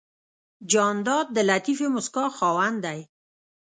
جانداد د لطیفې موسکا خاوند دی.